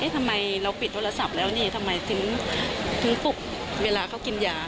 ทำไมเราปิดโทรศัพท์แล้วนี่ทำไมถึงปลุกเวลาเขากินยา